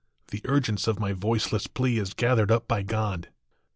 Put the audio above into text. The urgence of my voiceless plea Is gathered up by God.